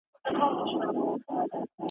د دوو وروڼو تر مابین جوړه جگړه وه `